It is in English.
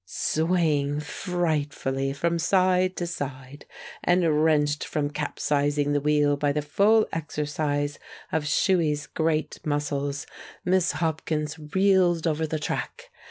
Swaying frightfully from side to side, and wrenched from capsizing the wheel by the full exercise of Shuey's great muscles, Miss Hopkins reeled over the track.